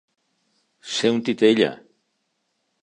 Ser un titella.